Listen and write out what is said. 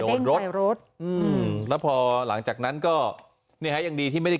โดนรถในรถอืมแล้วพอหลังจากนั้นก็เนี่ยฮะยังดีที่ไม่ได้